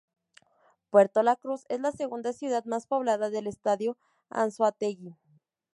Puerto la Cruz es la segunda ciudad más poblada del estado Anzoátegui.